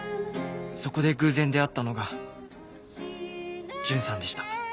そこで偶然出会ったのがジュンさんでした。